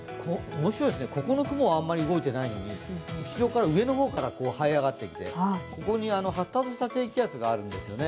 面白いですね、ここの雲はあまり動いていないのに、上の方からはい上がってきて、ここに発達した低気圧があるんですよね。